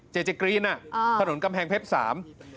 จตุจักรีนถนนกำแพงเพชร๓